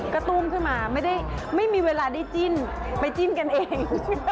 ก็ตุ้มขึ้นมาไม่ได้ไม่มีเวลาได้จิ้นไปจิ้นกันเอง